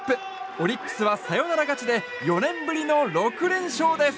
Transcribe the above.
オリックスはサヨナラ勝ちで４年ぶりの６連勝です。